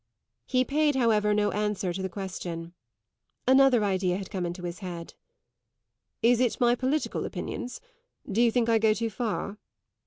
He paid, however, no answer to the question. Another idea had come into his head. "Is it my political opinions? Do you think I go too far?"